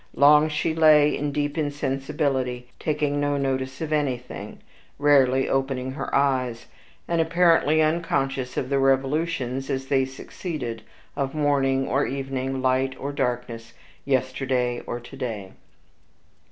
Long she lay in deep insensibility, taking no notice of anything, rarely opening her eyes, and apparently unconscious of the revolutions, as they succeeded, of morning or evening, light or darkness, yesterday or to day.